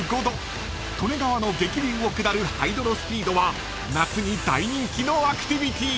利根川の激流を下るハイドロスピードは夏に大人気のアクティビティー］